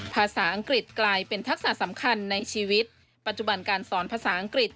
ภาษาอังกฤษกลายเป็นทักษะสำคัญในชีวิตปัจจุบันการสอนภาษาอังกฤษ